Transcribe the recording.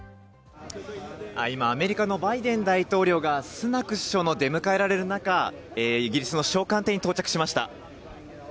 今、アメリカのバイデン大統領がスナク首相の出迎えられる中、イギリスの首相官邸に到着しました。